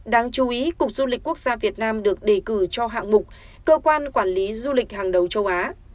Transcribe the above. đáng chú ý cục du lịch quốc gia việt nam được đề cử cho hạng mục cơ quan quản lý du lịch hàng đầu châu á